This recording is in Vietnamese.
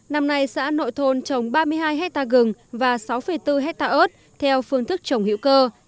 năm nay xã nội thôn trồng ba mươi hai hectare gừng và sáu bốn hectare ớt theo phương thức trồng hữu cơ